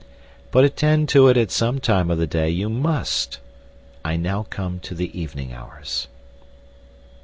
But attend to it at some time of the day you must. I now come to the evening hours.